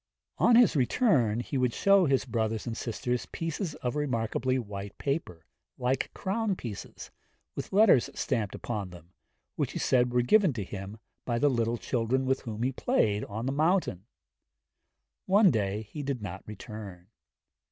On his return he would show his brothers and sisters pieces of remarkably white paper, like crown pieces, with letters stamped upon them, which he said were given to him by the little children with whom he played on the mountain. One day he did not return.